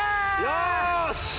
よし！